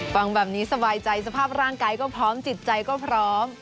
ฟังแบบนี้สบายใจสภาพร่างกายก็พร้อมจิตใจก็พร้อม